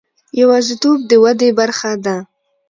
یوازیتوب د ودې برخه ده.